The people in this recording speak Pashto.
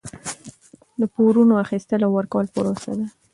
د پورونو اخیستل او ورکول پروسه ده.